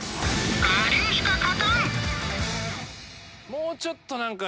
もうちょっと何か。